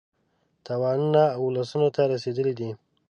تاوانونه اولسونو ته رسېدلي دي.